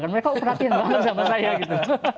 mereka perhatiin banget sama saya gitu